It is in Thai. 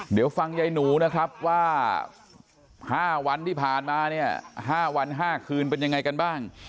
เดี๋ยวฟังยายหนูนะครับว่า๕วันที่ผ่านมาเนี่ย๕วัน๕คืนเป็นยังไงกันบ้าง